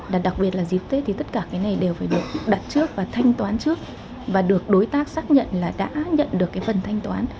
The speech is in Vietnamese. và đặc biệt là dịp tết thì tất cả cái này đều phải được đặt trước và thanh toán trước và được đối tác xác nhận là đã nhận được cái phần thanh toán